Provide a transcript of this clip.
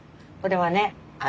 これはね